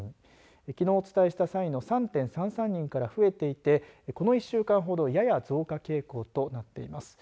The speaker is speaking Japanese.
きのうお伝えした際の３．３３人から増えていてこの１週間ほどやや増加傾向となっています。